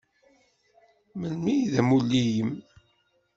Melmi i d amulli-im?